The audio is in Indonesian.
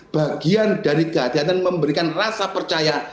bagian dari kehatian memberikan rasa percaya